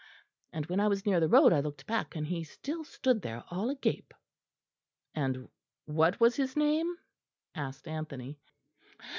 And when I was near the road I looked back, and he still stood there all agape." "And what was his name?" asked Anthony.